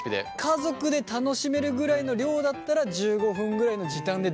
家族で楽しめるぐらいの量だったら１５分ぐらいの時短でできるよと？